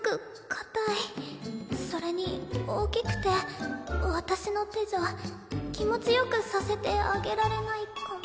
それに大きくて私の手じゃ気持ち良くさせてあげられないかも。